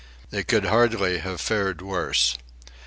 They could hardly have fared worse.